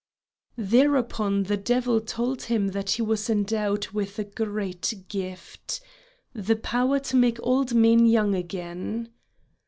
Thereupon the devil told him that he was endowed with a great gift: the power to make old men young again.